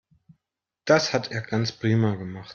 Das hat er ganz prima gemacht.